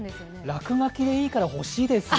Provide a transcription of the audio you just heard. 落書きでいいから欲しいです。